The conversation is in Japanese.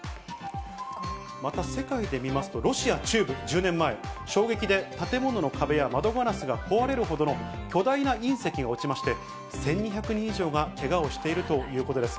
また、世界で見ますと、ロシア中部、１０年前、衝撃で建物の壁や窓ガラスが壊れるほどの巨大な隕石が落ちまして、１２００人以上がけがをしているということです。